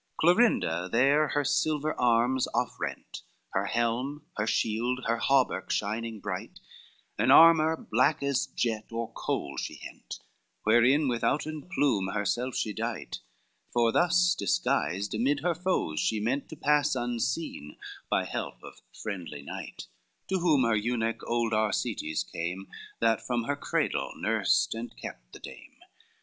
XVIII Clorinda there her silver arms off rent, Her helm, her shield, her hauberk shining bright, An armor black as jet or coal she hent, Wherein withouten plume herself she dight; For thus disguised amid her foes she meant To pass unseen, by help of friendly night, To whom her eunuch, old Arsetes, came, That from her cradle nursed and kept the dame.